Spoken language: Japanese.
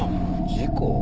事故？